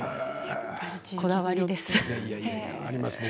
こだわりです。